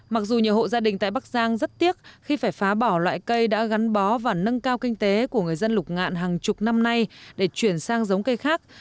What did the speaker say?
mặc dù nhiều hộ gia đình tại bắc giang rất tiếc khi phải phá bỏ loại cây đã gắn bó và nâng cao kinh tế của người dân lục ngạn hàng chục năm nay để chuyển sang giống cây khác